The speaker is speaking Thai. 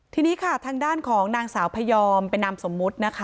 ทีนี้ค่ะทางด้านของนางสาวพยอมเป็นนามสมมุตินะคะ